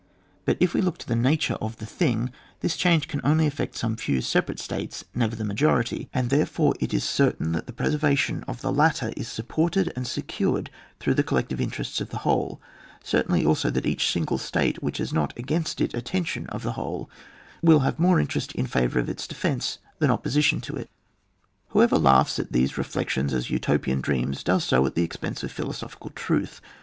But if we look to the nature of the thing, this change can only affect some few separate states, never the majority, and therefore it is certain that the preservation of the latter is supported and secured through the collective interests of the whole— certain also that each single state which has not against it a tension of the whole will have more interest in favour of its de fence than opposition to it. Whoever laughs at these reflections as Utopian dreams, does so at the expense of philosophical truth.